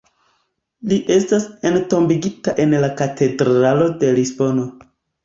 Li estas entombigita en la Katedralo de Lisbono.